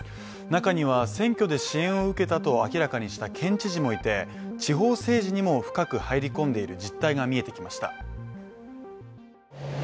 中には選挙で支援を受けたと明らかにした県知事もいて地方政治にも深く入り込んでいる実態が見えてきました。